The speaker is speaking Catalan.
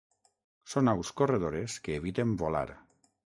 Són aus corredores que eviten volar.